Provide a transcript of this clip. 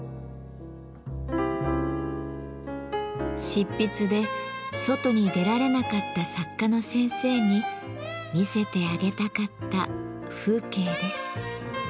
執筆で外に出られなかった作家の先生に見せてあげたかった風景です。